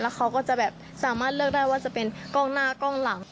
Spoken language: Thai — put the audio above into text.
เขาก็จะแบบสามารถเลือกได้ว่าจะเป็นกล้องหน้ากล้องหลัง